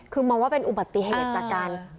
คือมองว่าเป็นอุบัติเหตุจากการ